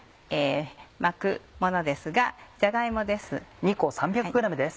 巻くものですがじゃが芋です。